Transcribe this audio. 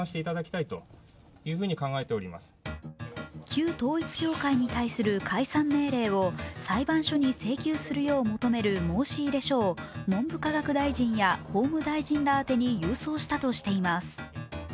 旧統一教会に対する解散命令を裁判所に請求するよう求める申し入れ書を文部科学大臣や法務大臣ら宛てに郵送したとしています。